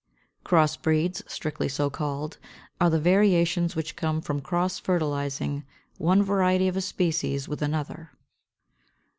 CROSS BREEDS, strictly so called, are the variations which come from cross fertilizing one variety of a species with another.